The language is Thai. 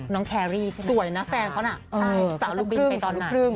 น้องแครรี่สวยนะแฟนเค้าสาวลูกครึ่งสาวลูกครึ่ง